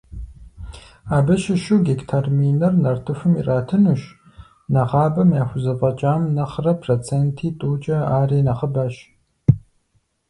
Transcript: Абы щыщу гектар минир нартыхум иратынущ, нэгъабэм яхузэфӀэкӀам нэхърэ проценти тӀукӀэ ари нэхъыбэщ.